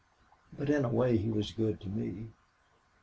But in a way he was good to me.